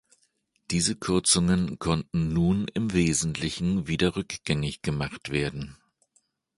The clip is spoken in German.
Diese Kürzungen konnten nun im Wesentlichen wieder rückgängig gemacht werden.